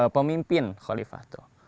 pemimpin khalifah itu